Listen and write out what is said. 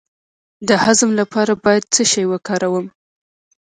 د هضم لپاره باید څه شی وکاروم؟